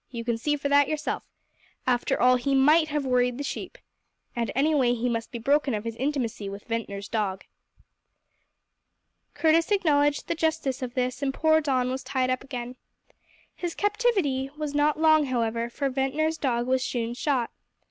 You can see that for yourself. After all, he might have worried the sheep. And, anyway, he must be broken of his intimacy with Ventnor's dog." Curtis acknowledged the justice of this and poor Don was tied up again. His captivity was not long, however, for Ventnor's dog was soon shot.